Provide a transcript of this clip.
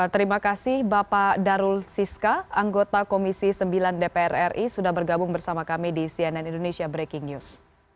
terima kasih bapak darul siska anggota komisi sembilan dpr ri sudah bergabung bersama kami di cnn indonesia breaking news